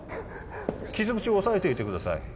傷口を押さえていてください